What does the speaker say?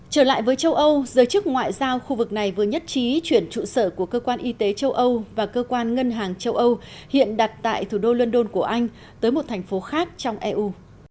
trở lại với châu âu giới chức ngoại giao khu vực này vừa nhất trí chuyển trụ sở của cơ quan y tế châu âu và cơ quan ngân hàng châu âu hiện đặt tại thủ đô london của anh tới một thành phố khác trong eu